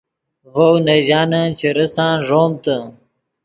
ڤؤ نے ژانن چے ریسان ݱومتے